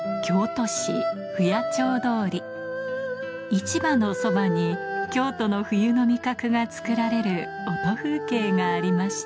市場のそばに京都の冬の味覚が作られる音風景がありました